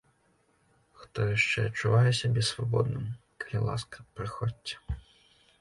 Хто яшчэ адчувае сябе свабодным, калі ласка, прыходзьце.